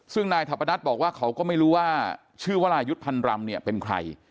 ซึ่งนายทัพนัทบอกว่าเขาก็ไม่รู้ว่าชื่อวรายุทธ์พันรำเนี่ยเป็นใคร